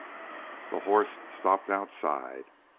The horse stopped outside.